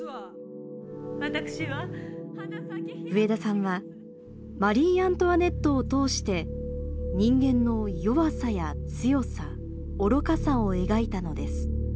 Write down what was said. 植田さんはマリー・アントワネットを通して人間の弱さや強さ愚かさを描いたのです。